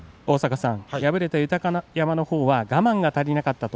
敗れた豊山のほうは我慢が足りなかったと。